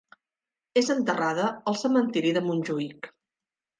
És enterrada al Cementiri de Montjuïc.